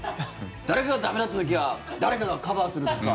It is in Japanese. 誰かが駄目だった時は誰かがカバーするってさ。